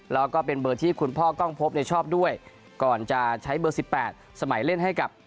แล้วก็เป็นเบอร์ที่คุณพ่อกล้องพบชอบด้วยก่อนจะใช้เบอร์๑๘สมัยเล่นให้กับ